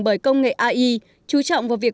bởi công nghệ ai chú trọng vào việc